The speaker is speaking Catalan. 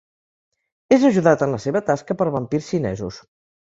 És ajudat en la seva tasca per vampirs xinesos.